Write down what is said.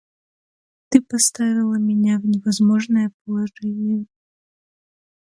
Ты поставила меня в невозможное положение.